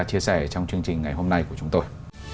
chia sẻ trong chương trình ngày hôm nay của chúng tôi